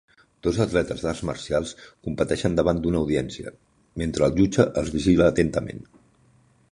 Dos atletes d'arts marcials competeixen davant d'una audiència, mentre el jutge els vigila atentament.